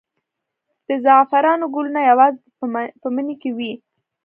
د زعفرانو ګلونه یوازې په مني کې وي؟